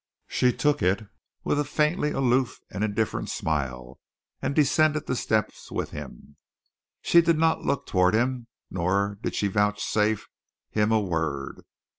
She took it with a faintly aloof and indifferent smile, and descended the step with him. She did not look toward him, nor did she vouchsafe him a word.